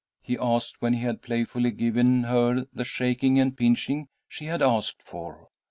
he asked, when he had playfully given her the shaking and pinching she had asked for.